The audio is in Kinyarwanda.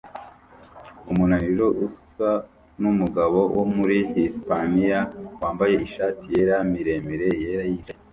Umunaniro usa numugabo wo muri Hisipaniya wambaye ishati yera miremire yera yicaye